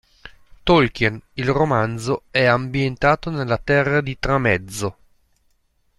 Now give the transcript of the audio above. Tolkien, il romanzo è ambientato nella "Terra di Tramezzo".